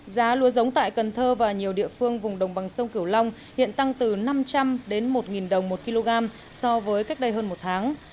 giá lúa giống tại cần thơ và nhiều địa phương vùng đồng bằng sông cửu long hiện tăng từ năm trăm linh đến một đồng một kg so với cách đây hơn một tháng